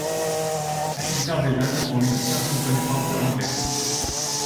La plupart des jeunes ont une certaine connaissance de l'anglais.